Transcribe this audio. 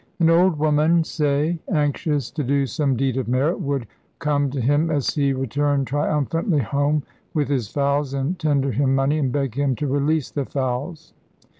An old woman, say, anxious to do some deed of merit, would come to him as he returned triumphantly home with his fowls and tender him money, and beg him to release the fowls.